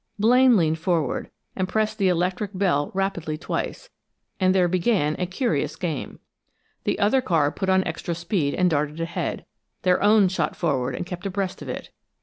Blaine leaned forward, and pressed the electric bell rapidly twice, and there began a curious game. The other car put on extra speed and darted ahead their own shot forward and kept abreast of it.